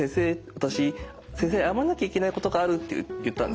私先生に謝らなきゃいけないことがある」って言ったんですね。